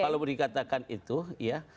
kalau dikatakan itu ya